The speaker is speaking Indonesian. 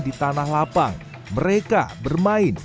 di tanah lapang mereka bermain